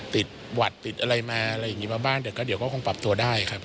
หวัดติดอะไรมาอะไรอย่างนี้มาบ้างแต่ก็เดี๋ยวก็คงปรับตัวได้ครับ